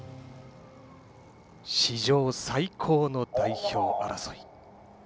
史上最高の代表争い。